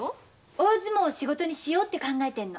大相撲を仕事にしようって考えてんの。